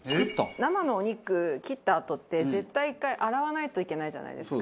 生のお肉切ったあとって絶対１回洗わないといけないじゃないですか。